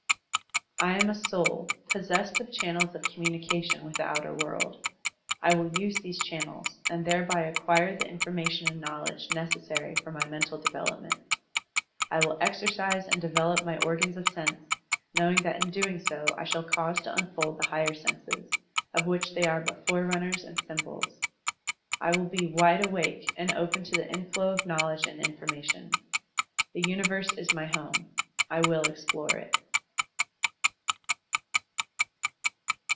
I am a Soul, possessed of channels of communication with the outer world. I will use these channels, and thereby acquire the information and knowledge necessary for my mental development. I will exercise and develop my organs of sense, knowing that in so doing I shall cause to unfold the higher senses, of which they are but forerunners and symbols. I will be "wide awake" and open to the inflow of knowledge and information. The Universe is my Home I will explore it.